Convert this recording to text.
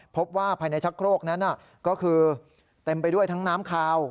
พบว่าภายในชักโครกนั้นก็คือเต็มไปด้วยทั้งน้ำคาว